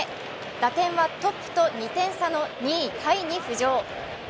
打点はトップと２点差の２位タイに浮上。